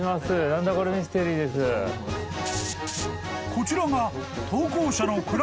［こちらが］